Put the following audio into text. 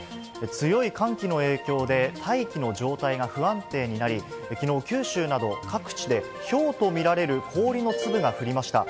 強い寒気の影響で、大気の状態が不安定になり、きのう、九州など各地でひょうと見られる氷の粒が降りました。